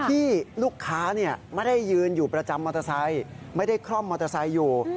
ที่ลูกค้าไม่ได้ยืนอยู่ประจำมอเตอร์ไซค์ไม่ได้คล่อมมอเตอร์ไซค์อยู่